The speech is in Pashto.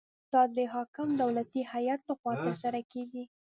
دا د حاکم دولتي هیئت لخوا ترسره کیږي.